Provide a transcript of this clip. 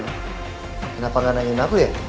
kenapa gak nangin aku ya